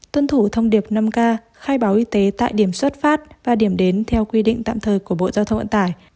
tuân thủ thông điệp năm k khai báo y tế tại điểm xuất phát và điểm đến theo quy định tạm thời của bộ giao thông vận tải